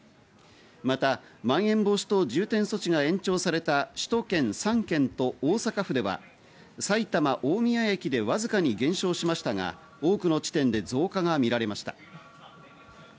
また、まん延防止等重点措置が延長された首都圏３県と大阪府では埼玉・大宮駅でわずかに減少しましたが、多くの地点で増加が見られました。